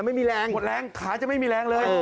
มันไม่มีแรงขาจะไม่มีแรงเลย